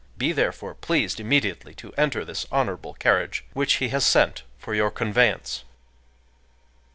Be therefore pleased immediately to enter this honorable carriage, which he has sent for your conveyance."